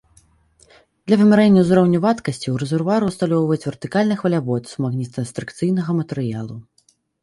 Для вымярэння ўзроўню вадкасці, у рэзервуары усталёўваюць вертыкальны хвалявод з магнітастрыкцыйнага матэрыялу.